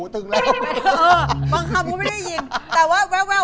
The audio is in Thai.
อุดกลใจอีกแล้ว